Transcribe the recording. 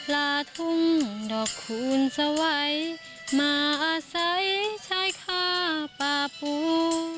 ลาทุ่งดอกคูณสวัยมาอาศัยชายฆ่าป่าปู